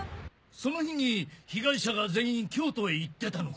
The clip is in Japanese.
その日に被害者が全員京都へ行ってたのか？